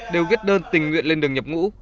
đều viết đơn tình nguyện lên đường nhập ngũ